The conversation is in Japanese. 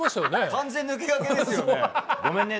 完全抜け駆けですよね。